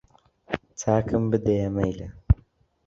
چاکم بدەیە مەیلە